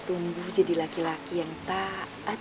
tumbuh jadi laki laki yang taat